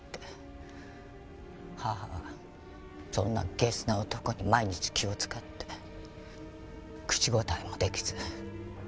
母はそんなゲスな男に毎日気を使って口答えもできず。